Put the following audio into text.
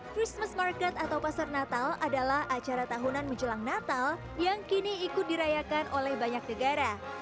christmas market atau pasar natal adalah acara tahunan menjelang natal yang kini ikut dirayakan oleh banyak negara